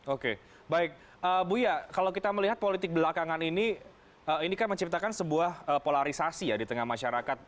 oke baik buya kalau kita melihat politik belakangan ini ini kan menciptakan sebuah polarisasi ya di tengah masyarakat